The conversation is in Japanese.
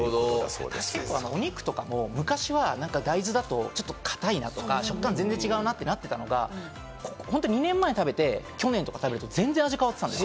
結構、お肉とかも昔、大豆だとかたいなとか、食感、全然違うなってなってたのが２年前に食べて、去年とか食べると全然、味変わってた。